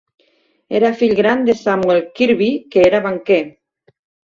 Era fill gran de Samuel Kirby, que era banquer.